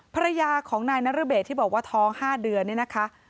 ภรรยาของนายนรเบศที่บอกว่าท้อง๕เดือนเนี่ยนะคะ